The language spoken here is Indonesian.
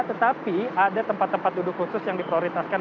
tetapi ada tempat tempat duduk khusus yang diprioritaskan